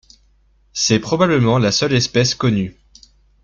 C'est probablement la seule espèce connue.